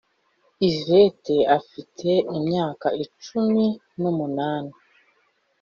yvette afite imyaka cumi n’umunani,